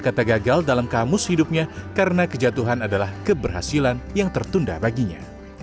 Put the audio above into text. kata gagal dalam kamus hidupnya karena kejatuhan adalah keberhasilan yang tertunda baginya